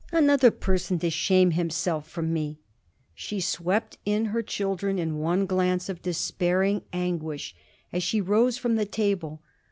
Another person to shame himself from me!" She swept in her children in one glance of despairing anguish as she rose from the table.